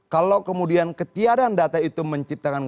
kalau kemudian ketiadaan data itu menciptakan